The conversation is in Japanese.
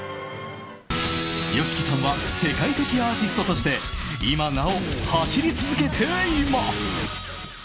ＹＯＳＨＩＫＩさんは世界的アーティストとして今なお走り続けています。